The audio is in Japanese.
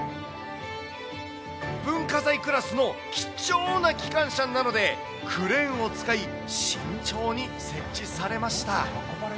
文化財クラスの貴重な機関車なので、クレーンを使い、慎重に設置されました。